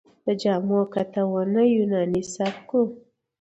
د جامو کاتونه یوناني سبک و